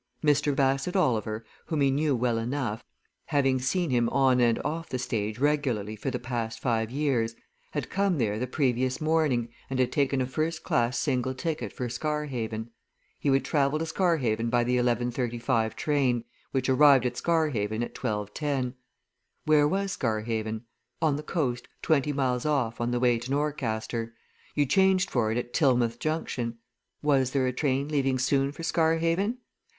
Mr. Bassett Oliver, whom he knew well enough, having seen him on and off the stage regularly for the past five years, had come there the previous morning, and had taken a first class single ticket for Scarhaven. He would travel to Scarhaven by the 11.35 train, which arrived at Scarhaven at 12.10. Where was Scarhaven? On the coast, twenty miles off, on the way to Norcaster; you changed for it at Tilmouth Junction. Was there a train leaving soon for Scarhaven?